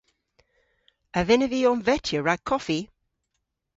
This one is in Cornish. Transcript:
A vynnav vy omvetya rag koffi?